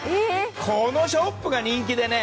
このショップが人気でね。